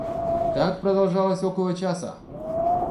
Так продолжалось около часа.